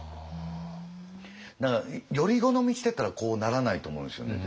だからより好みしてたらこうならないと思うんですよね